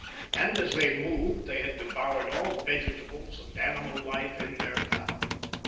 And, as they moved, they had devoured all vegetables and animal life in their path.